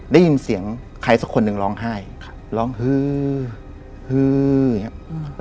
ได้ยินเสียงใครสักคนหนึ่งร้องไห้ค่ะร้องฮือฮืออย่างเงี้ย